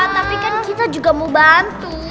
tapi kan kita juga mau bantu